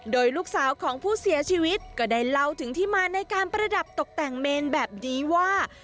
โดยลูกสาวของผู้เสียชีวิตก็ได้เล่าถึงที่มาในการประดับตกแต่งเมนแบบนี้ว่า